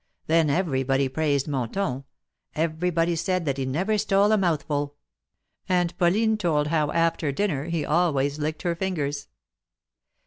Then everybody praised Monton. Everybody said that he never stole a mouthful. And Pauline told how after dinner he always licked her fingers.